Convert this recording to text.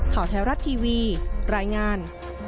ข่าวแท้วรัฐทีวีรายงาน